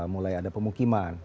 mulai ada pemukiman